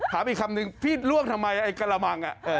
ถามอีกคำหนึ่งพี่ลวกทำไมไอ้กำลัง